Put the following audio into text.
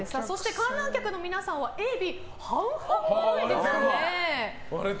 観覧客の皆さんはＡ、Ｂ半々ですね。